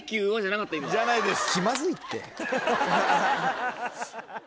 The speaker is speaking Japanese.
じゃないです。